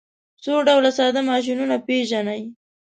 څو ډوله ساده ماشینونه پیژنئ.